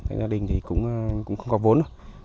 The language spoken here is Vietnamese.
tách gia đình thì cũng không có vốn